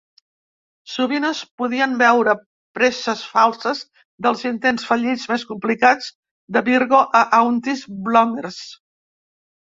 Sovint es podien veure presses falses dels intents fallits més complicats de Virgo a "Auntie's Blommers".